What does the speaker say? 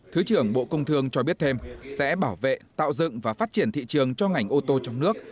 thứ trưởng bộ công thương cho biết thêm sẽ bảo vệ tạo dựng và phát triển thị trường cho ngành ô tô trong nước